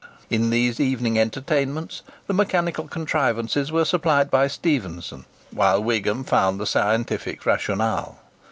In these evening entertainments, the mechanical contrivances were supplied by Stephenson, whilst Wigham found the scientific rationale.